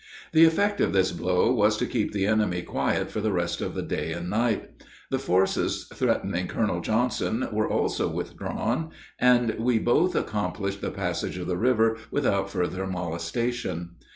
The effect of this blow was to keep the enemy quiet for the rest of the day and night. The forces threatening Colonel Johnson were also withdrawn, and we both accomplished the passage of the river without further molestation.